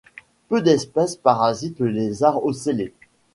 Peu d'espèces parasitent le Lézard ocellé.